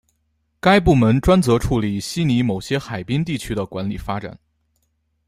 该部门专责处理悉尼某些海滨地区的管理发展。